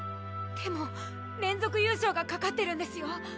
でも連続優勝がかかってるんですよ？